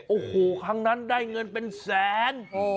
โอ้โหครั้งนั้นได้เงินเป็นแสน